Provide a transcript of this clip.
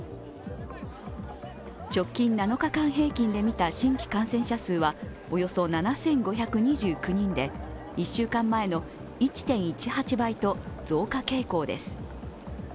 直近７日間平均で見た新規感染者数はおよそ７５２９人で１週間前の１．１８倍と増加傾向です。